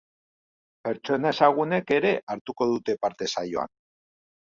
Pertsona ezagunek ere hartuko dute parte saioan.